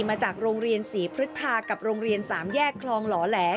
มาจากโรงเรียนศรีพฤทธากับโรงเรียน๓แยกคลองหล่อแหล